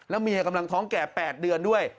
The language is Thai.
เมียกำลังท้องแก่๘เดือนด้วย